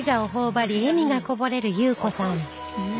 うん。